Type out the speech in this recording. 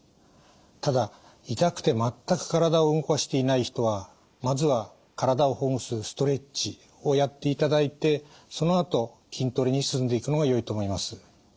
ただ痛くて全く体を動かしていない人はまずは体をほぐすストレッチをやっていただいてそのあと筋トレに進んでいくのがよいと思います。